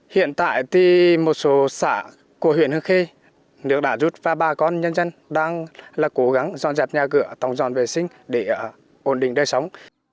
hiện tại thì một số xã của huyện hương khê nước đã rút và bà con nhân dân đang là cố gắng dọn dẹp nhà cửa tổng dọn vệ sinh để ổn định đời sống